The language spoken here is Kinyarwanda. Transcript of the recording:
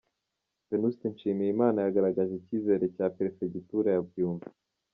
Venuste Nshimiyimana yagaragaje icyizere cya Perefegitura ya Byumba.